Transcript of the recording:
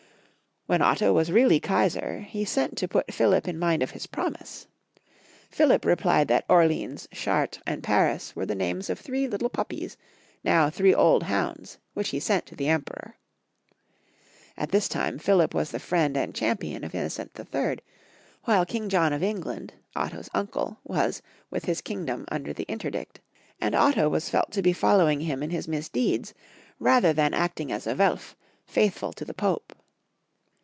When Otto was reaUy Kaisar, he sent to put Philip in mind of his promise. Philip replied that Orieans, Chartres, and Paris were the names of three little puppies, now three old hounds which he sent to the Emperor! At this time Philip was the friend and champion of Innocent III., while King John of England, Otto's imcle, was with his kingdom under the interdict, and Otto was felt to be following him in his mis deeds, rather than acting as a Welf, faithful to the Pope.